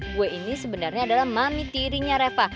gue ini sebenarnya adalah mami tirinya reva